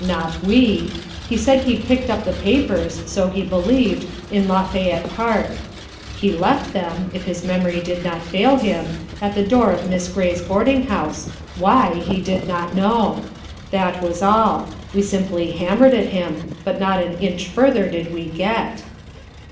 Not we! He said he picked up the papers so he believed in Lafayette Park; he left them (if his memory did not fail him) at the door of Miss Gray's boarding house, why he did not know. That was all. We simply hammered at him, but not an inch further did we get."